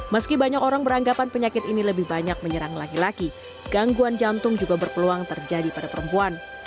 meski banyak orang beranggapan penyakit ini lebih banyak menyerang laki laki gangguan jantung juga berpeluang terjadi pada perempuan